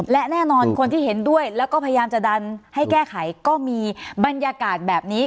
และแน่นอนคนที่เห็นด้วยแล้วก็พยายามจะดันให้แก้ไขก็มีบรรยากาศแบบนี้